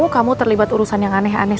kamu terlibat urusan yang aneh aneh